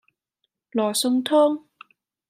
羅宋湯